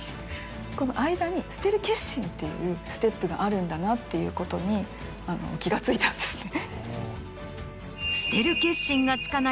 この間に捨てる決心というステップがあるんだなっていうことに気が付いたんですね。